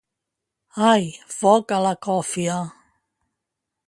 Ai! Foc a la còfia...!